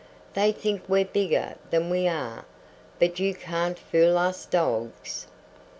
They think we're bigger than we are; but you can't fool us dogs."